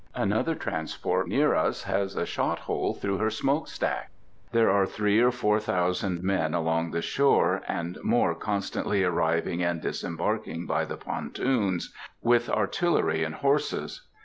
Another transport near us has a shot hole through her smoke stack. There are three or four thousand men along the shore, and more constantly arriving and disembarking by the pontoons, with artillery and horses.